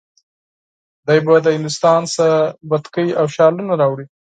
دی به د هندوستان څخه بتکۍ او شالونه راوړي.